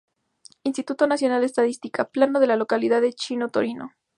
Instituto Nacional de Estadística: "Plano de la localidad de Chico Torino"